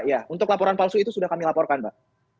ya untuk laporan palsu itu sudah kami laporkan mbak